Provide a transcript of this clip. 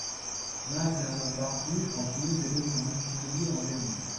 L'un était un homme barbu en blouse et l'autre un homme chevelu en guenilles.